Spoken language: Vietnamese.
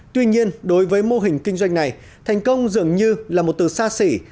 tuy nhiên đối với mô hình kinh doanh này thành công dường như là một từ xa xỉ